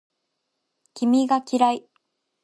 君が嫌い